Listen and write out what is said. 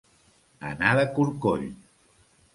Anar de corcoll.